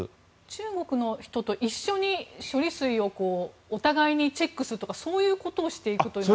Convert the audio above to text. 中国の人と一緒に処理水をお互いにチェックするとかそういうことをしていくというのは。